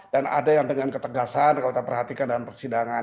dan ada yang dengan ketegasan kalau kita perhatikan dalam persidangan